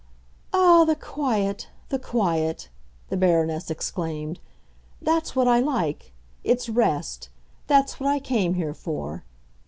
"Ah, the quiet,—the quiet!" the Baroness exclaimed. "That's what I like. It's rest. That's what I came here for.